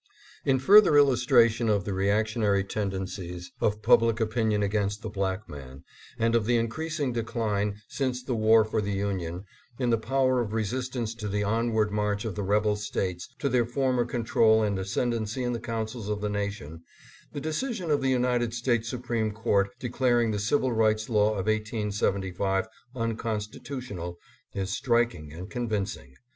IN further illustration of the reactionary tendencies of public opinion against the black man and of the in creasing decline, since the war for the Union, in the power of resistance to the onward march of the rebel States to their former control and ascendency in the councils of the nation, the decision of the United States Supreme Court, declaring the Civil Rights law of 1875 unconsti tutional, is striking and convincing.